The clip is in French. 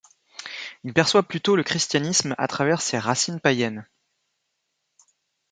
Il perçoit plutôt le Christianisme à travers ses racines païennes.